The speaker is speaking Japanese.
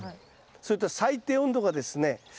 それと最低温度がですね